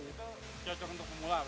itu cocok untuk pemula